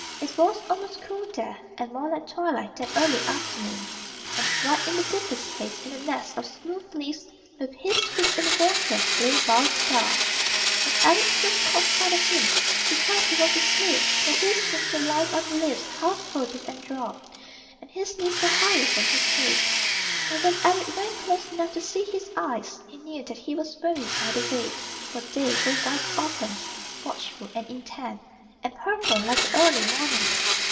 It was almost cool there, and more like twilight than early afternoon. And right in the deepest place, in a nest of smooth leaves, with his feet in the water, lay Wild Star. When Eric first caught sight of him he thought he was asleep, for his wings were lying on the leaves half folded and dropped, and his knees were higher than his head. But when Eric went close enough to see his eyes he knew that he was very wide awake, for they were wide open, watchful and intent, and purple like the early morning.